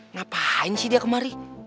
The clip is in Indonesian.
ngapain sih dia kemari